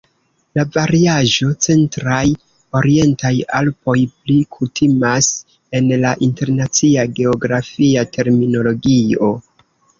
La variaĵo "Centraj Orientaj Alpoj" pli kutimas en la internacia geografia terminologio.